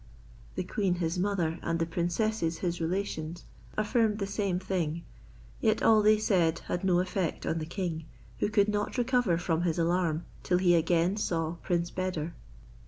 The queen his mother and the princesses his relations affirmed the same thing; yet all they said had no effect on the king, who could not recover from his alarm till he again saw prince Beder.